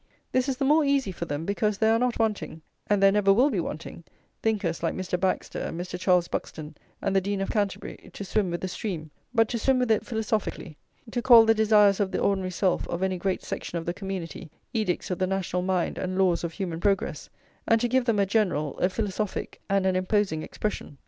This is the more easy for them, because there are not wanting, and there never will be wanting, thinkers like Mr. Baxter, Mr. Charles Buxton, and the Dean of Canterbury, to swim with the stream, but to swim with it philosophically; to call the desires of the ordinary self of any great section of the community edicts of the national mind and laws of human progress, and to give them a general, a philosophic, and an imposing expression.